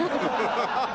ハハハハ！